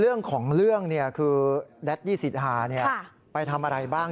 เรื่องของเรื่องคือแดดดี้สิทธาไปทำอะไรบ้าง